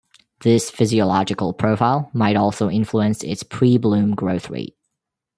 This physiological profile might also influence its pre-bloom growth rate.